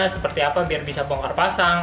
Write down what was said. seperti apa biar bisa bongkar pasang